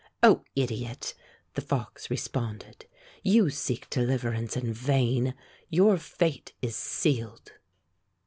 "O idiot!" the fox responded, "you seek deliverance in vain. Your fate is sealed."